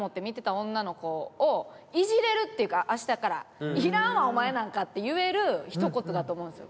今までっていうか明日からいらんわお前なんかって言えるひと言だと思うんですよ